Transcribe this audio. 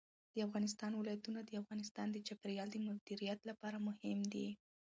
د افغانستان ولايتونه د افغانستان د چاپیریال د مدیریت لپاره مهم دي.